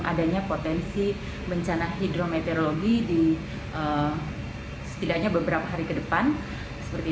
adanya potensi bencana hidrometeorologi di setidaknya beberapa hari ke depan seperti